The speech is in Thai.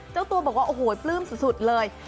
เจ้าตัวบอกว่าโอ้โหปลื้มสุดเลย